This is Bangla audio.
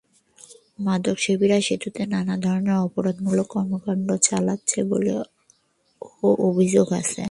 মাদকসেবীরা সেতুতে নানা ধরনের অপরাধমূলক কর্মকাণ্ড চালাচ্ছে বলেও অভিযোগ আছে।